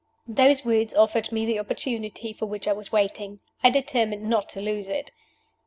Those words offered me the opportunity for which I was waiting. I determined not to lose it.